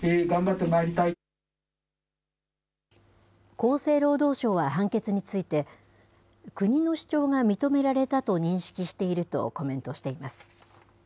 厚生労働省は判決について、国の主張が認められたと認識しているとコメントしています。